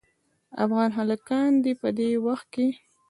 افغاني هلکان دې په دې وخت کې.